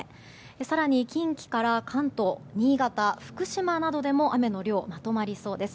更に、近畿から関東新潟、福島などでも雨の量まとまりそうです。